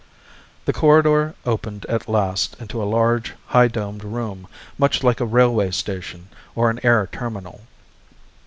The corridor opened at last into a large high domed room, much like a railway station or an air terminal.